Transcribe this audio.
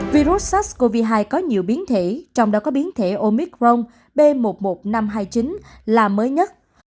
ví dụ sars cov hai có nhiều biến thể trong đó có biến thể omicron b một một năm trăm hai mươi chín là mới nhất